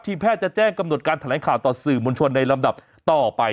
แพทย์จะแจ้งกำหนดการแถลงข่าวต่อสื่อมวลชนในลำดับต่อไป